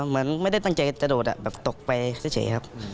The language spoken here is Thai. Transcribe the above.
ไม่ได้ตั้งใจจะกระโดดแบบตกไปเฉยครับ